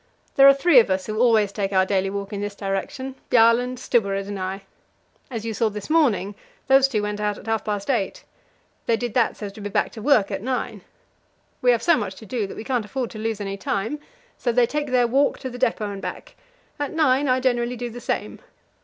There are three of us who always take our daily walk in this direction Bjaaland, Stubberud, and I. As you saw this morning, those two went out at half past eight. They did that so as to be back to work at nine. We have so much to do that we can't afford to lose any time. So they take their walk to the depot and back; at nine I generally do the same.